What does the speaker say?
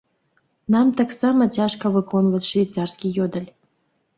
Нам таксама цяжка выконваць швейцарскі ёдэль.